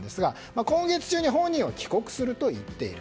今月中に本人は帰国すると言っている。